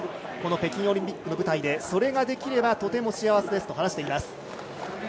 北京オリンピックの舞台でそれができればとても幸せと話します。